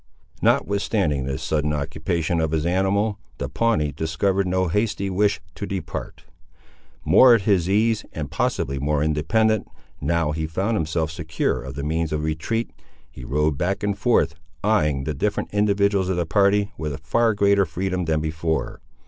Notwithstanding this sudden occupation of his animal, the Pawnee discovered no hasty wish to depart. More at his ease, and possibly more independent, now he found himself secure of the means of retreat, he rode back and forth, eyeing the different individuals of the party with far greater freedom than before.